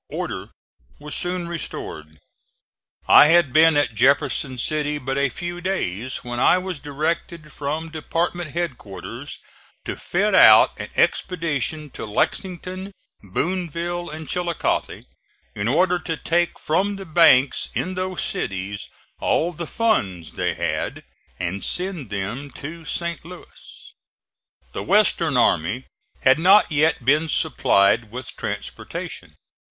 Order was soon restored. I had been at Jefferson City but a few days when I was directed from department headquarters to fit out an expedition to Lexington, Booneville and Chillicothe, in order to take from the banks in those cities all the funds they had and send them to St. Louis. The western army had not yet been supplied with transportation.